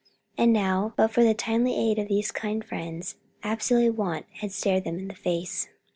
And now, but for the timely aid of these kind friends, absolute want had stared them in the face.